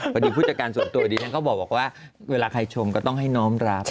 ก็ทานแต่น้ำสะอาดแล้วก็ดื่ม